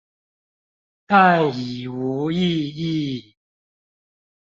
但己無意義